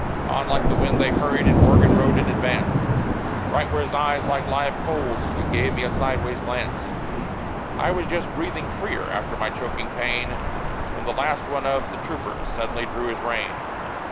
On like the wind they hurried, and Morgan rode in advance; Bright were his eyes like live coals, as he gave me a sideways glance; I was just breathing freely, after my choking pain, When the last one of the troopers suddenly drew his rein.